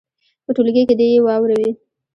په ټولګي کې دې یې واوروي.